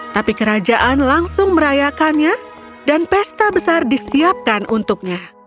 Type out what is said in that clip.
tapi kerajaan langsung merayakannya dan pesta besar disiapkan untuknya